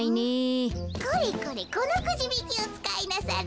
これこれこのくじびきをつかいなされ。